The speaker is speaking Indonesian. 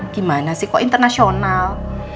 gimana sih kok internasional